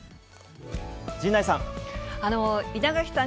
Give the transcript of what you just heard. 陣内さん。